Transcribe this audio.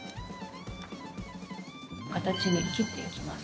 形に切っていきます。